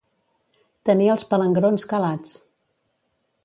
Tenir els palangrons calats.